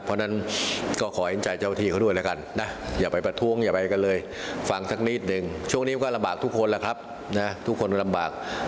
เพราะฉะนั้นก็ขอเห็นใจเจ้าที่เขาด้วยแล้วกันนะอย่าไปประท้วงอย่าไปกันเลยฟังสักนิดนึงช่วงนี้มันก็ลำบากทุกคนล่ะครับนะทุกคนมันลำบาก